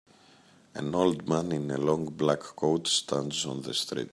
An old man in a long black coat stands on the street.